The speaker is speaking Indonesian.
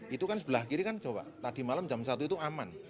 itu kan sebelah kiri kan coba tadi malam jam satu itu aman